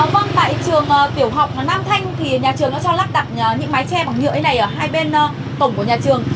vâng tại trường tiểu học nam thanh thì nhà trường đã cho lắp đặt những mái tre bằng nhựa như này ở hai bên cổng của nhà trường